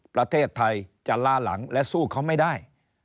ประเทศไทยจะล่าหลังและสู้เขาไม่ได้